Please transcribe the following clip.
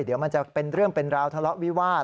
เดี๋ยวมันจะเป็นเรื่องเป็นราวทะเลาะวิวาส